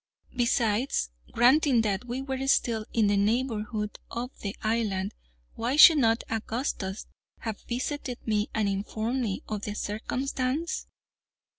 Besides, granting that we were still in the neighborhood of the island, why should not Augustus have visited me and informed me of the circumstance?